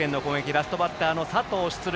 ラストバッターの佐藤が出塁。